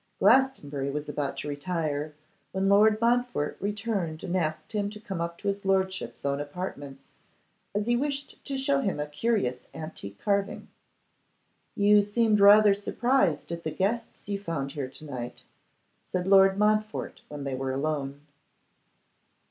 Glastonbury was about to retire, when Lord Montfort returned and asked him to come up to his lordship's own apartments, as he wished to show him a curious antique carving. 'You seemed rather surprised at the guests you found here to night,' said Lord Montfort when they were alone.